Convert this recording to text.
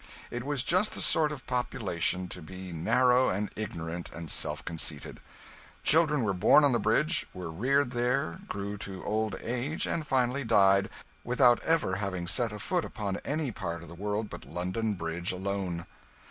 It was just the sort of population to be narrow and ignorant and self conceited. Children were born on the Bridge, were reared there, grew to old age, and finally died without ever having set a foot upon any part of the world but London Bridge alone.